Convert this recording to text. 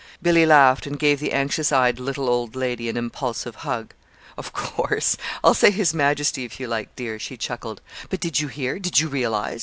Billy laughed and gave the anxious eyed little old lady an impulsive hug. "Of course! I'll say 'His Majesty' if you like, dear," she chuckled. "But did you hear did you realize?